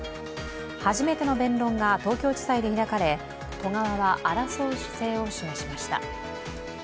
初めての弁論が東京地裁で開かれ、都側は争う姿勢を示しました。